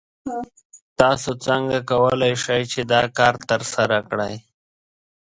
تاسو څنګه کولی شئ چې دا کار ترسره کړئ؟